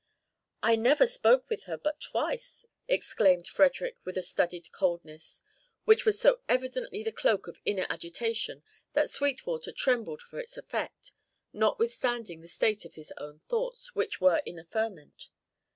"I never spoke with her but twice," exclaimed Frederick with a studied coldness, which was so evidently the cloak of inner agitation that Sweetwater trembled for its effect, notwithstanding the state of his own thoughts, which were in a ferment.